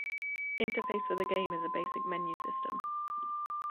Interface for the game is a basic menu system.